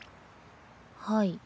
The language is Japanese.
はい。